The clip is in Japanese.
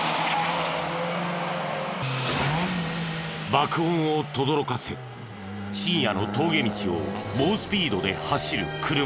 爆音をとどろかせ深夜の峠道を猛スピードで走る車。